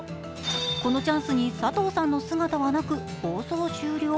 このチャンスに佐藤さんの姿はなく、放送終了。